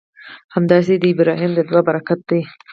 همداسې د ابراهیم د دعا برکت دی.